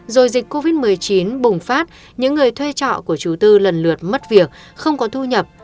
rồi dịch covid một mươi chín bùng phát những người thuê trọ của chú tư lần lượt mất việc không có thu nhập